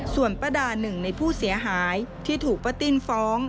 ส่วนป้าดาหนึ่งในผู้เสียหายที่ถูกป้าติ้นฟ้อง